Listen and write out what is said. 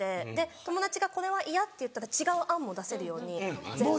友達がこれは嫌って言ったら違う案も出せるように全部。